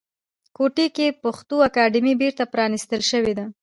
کوټې کې پښتو اکاډمۍ بیرته پرانیستل شوې ده